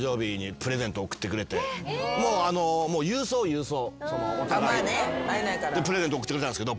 プレゼント贈ってくれたんですけど